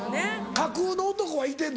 架空の男はいてんの？